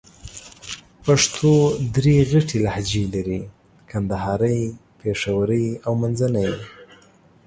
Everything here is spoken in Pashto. پښتو درې غټ لهجې لرې: کندهارۍ، پېښورۍ او منځني.